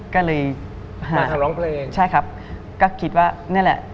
ก็เลยหาใช่ครับก็คิดว่านั่นแหละ